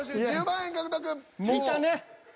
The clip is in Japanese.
１０万円獲得。